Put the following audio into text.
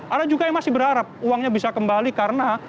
ada juga yang masih berharap uangnya bisa kembali karena